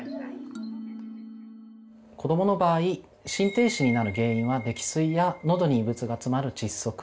子どもの場合心停止になる原因は溺水やのどに異物が詰まる窒息